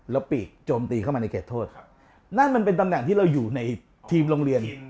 แล้วปีกโจมตีเข้ามาในเขตโทษครับนั่นมันเป็นตำแหน่งที่เราอยู่ในทีมโรงเรียน